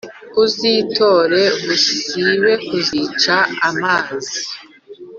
uzitore usibe kuzica amazi